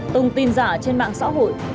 tông tin giả trên mạng xã hội